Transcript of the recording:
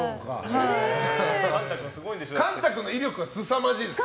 乾太くんの威力はすさまじいです。